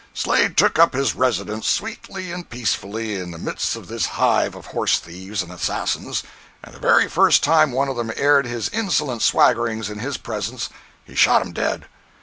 Slade took up his residence sweetly and peacefully in the midst of this hive of horse thieves and assassins, and the very first time one of them aired his insolent swaggerings in his presence he shot him dead!